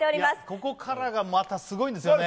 ここからがまたすごいんですよね。